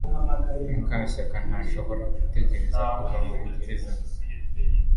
Mukashyakantashobora gutegereza kuva muri gereza